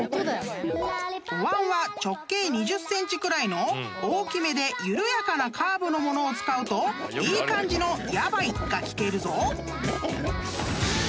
［おわんは直径２０ｃｍくらいの大きめで緩やかなカーブの物を使うといい感じの「やばい」が聞けるぞ］